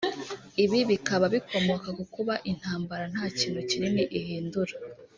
Ibi bikaba bikomoka ku kuba intambara nta kintu kinini ihindura